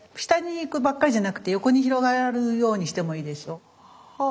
下に行くばっかりじゃなくて横に広がるようにしてもいいですよ。